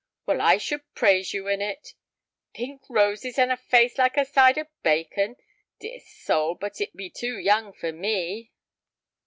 "Well, I should praise you in it." "Pink roses and a face like a side of bacon! Dear soul, but it be too young for me."